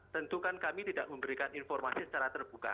tentukan kami tidak memberikan informasi secara terbuka